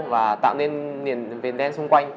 và tạo nên nền vền đen xung quanh